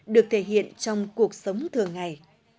được thể hiện trong cuộc sống thường ngày